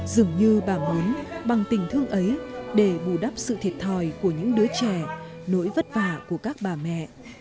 dường như bà muốn bằng tình thương ấy để bù đắp sự thiệt thòi của những đứa trẻ nỗi vất vả của các bà mẹ